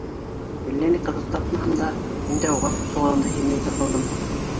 Әллә ни ҡыҙыҡ тапмаһам да, мин дә уға ҡушылғанды һиҙмәй ҙә ҡалдым.